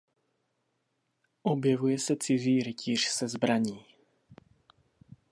Objevuje se cizí rytíř se zbraní.